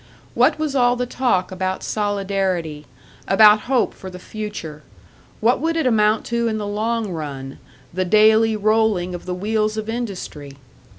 What was all the talk about solidarity, about hope for the future; what would it amount to in the long run, the daily rolling of the wheels of industry?